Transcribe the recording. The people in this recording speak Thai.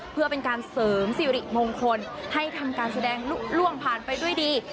เพื่อเป็นการเสริมสิริมงคลให้ทำการแสดงล่วงผ่านไปด้วยดี